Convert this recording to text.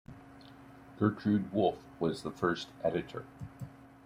Gertrude Wolff was the first editor.